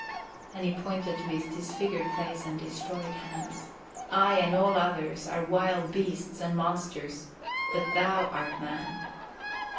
And he pointed to his disfigured face and destroyed hands. "I and all others are wild beasts and monsters, but thou art Man."